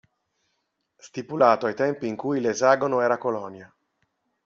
Stipulato ai tempi in cui l'esagono era colonia.